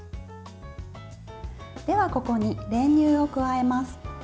では、ここに練乳を加えます。